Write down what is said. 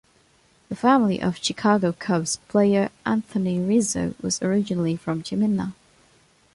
The family of Chicago Cubs player Anthony Rizzo was originally from Ciminna.